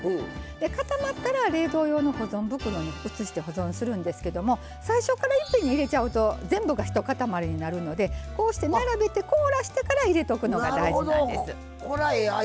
固まったら冷凍用の保存袋に移して保存するんですけど最初から一気にやると全部が一塊になるのでこうして並べて入れておくのが大事なんです。